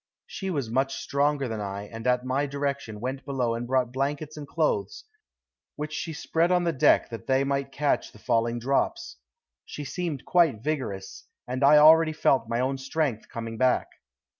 She was much stronger than I, and at my direction went below and brought blankets and clothes, which she spread on the deck that they might catch the falling drops. She seemed quite vigorous, and already I felt my own strength coming back.